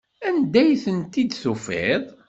Anda ay tent-id-tufiḍ?